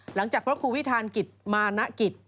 หลังจากครับครูวิทานกิตมานะกิต